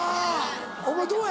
お前どうや？